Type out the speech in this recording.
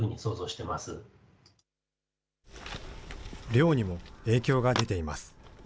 漁にも影響が出ています。